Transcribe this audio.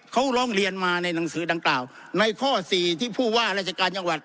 เขาร้องเรียนมาในหนังสือดังกล่าวในข้อสี่ที่ผู้ว่าราชการจังหวัด